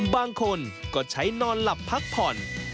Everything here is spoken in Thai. บางคนก็ใช้นอนหลับพักผ่อน